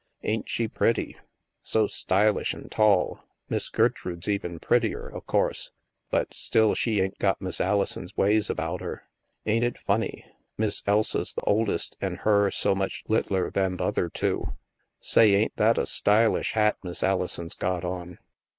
*' Ain't she pretty? So stylish an' tall. Miss Gertrude's even prettier, o' course, but still she ain't got Miss Alison's ways about her. Ain't it funny. Miss Elsa's th' oldest an' her so much lit tler'n th' other two? Say, ain't that a stylish hat Miss Alison's got on